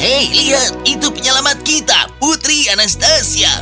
hei lihat itu penyelamat kita putri anastasia